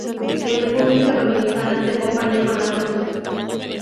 En República Dominicana se acompaña con Arroz.